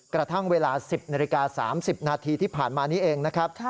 กระทั่งเวลา๑๐นาฬิกา๓๐นาทีที่ผ่านมานี้เองนะครับ